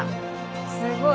すごい！